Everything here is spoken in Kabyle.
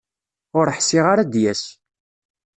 Ur ḥṣiɣ ara ad d-yas.